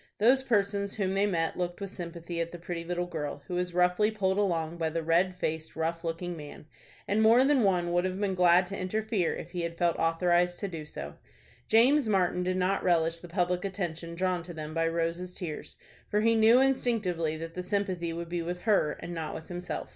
Those persons whom they met looked with sympathy at the pretty little girl, who was roughly pulled along by the red faced, rough looking man; and more than one would have been glad to interfere if he had felt authorized to do so. James Martin did not relish the public attention drawn to them by Rose's tears, for he knew instinctively that the sympathy would be with her, and not with himself.